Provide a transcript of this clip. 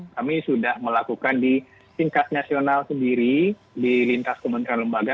kami sudah melakukan di tingkat nasional sendiri di lintas kementerian lembaga